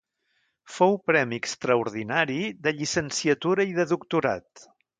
Fou Premi extraordinari de llicenciatura i de doctorat.